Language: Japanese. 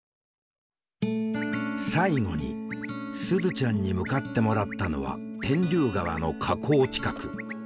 最後にすずちゃんに向かってもらったのは天竜川の河口近く。